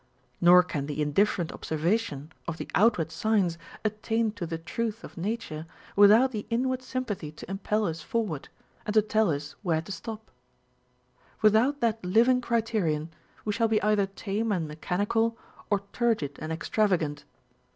Nor can v the indifferent observation of the outward signs attain to 2 E 418 0)i Novelty and Familiarity. the truth of nature, without the inward sympathy to impel us forward, and to tell us where to stop. Without that living criterion, we shall be either tame and mechanical, or turgid and extravagant.